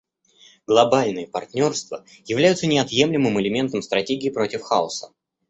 Глобальные партнерства являются неотъемлемым элементом стратегии против хаоса.